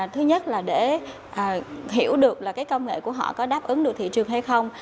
thứ nhất là để hiểu được công nghệ của họ có đáp ứng được thị trường hay không